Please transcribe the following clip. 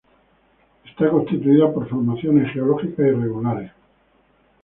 Está constituida por formaciones geológicas irregulares.